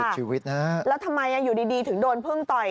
ใช่ค่ะแล้วทำไมอยู่ดีถึงโดนเพิ่งต่อย